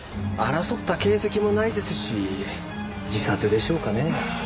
争った形跡もないですし自殺でしょうかね。